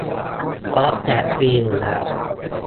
เพราะแจกฟรีอยู่แล้ว